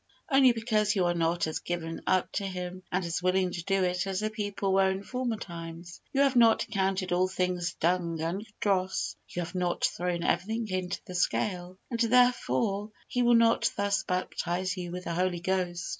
Only because you are not as given up to Him and as willing to do it as the people were in former times. You have not accounted all things dung and dross. You have not thrown everything into the scale, and, therefore, He will not thus baptize you with the Holy Ghost.